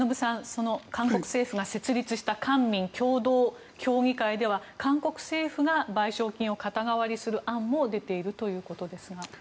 その韓国政府が設立した官民共同協議会では韓国政府が賠償金を肩代わりする案も出ているということですが。